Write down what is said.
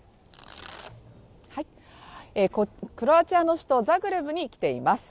クロアチアの首都ザグレブに来ています。